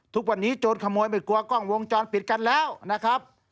ทุกวันนี้โจรขโมยไม่กลัวกล้องวงจรปิดกันแล้วนะครับ